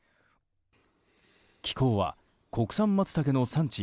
気候は国産マツタケの産地